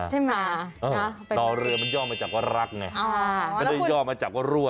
พ่อแม่ผู้ย่าตายายครบ